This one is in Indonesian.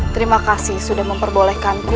terima kasih sudah memperbolehkanku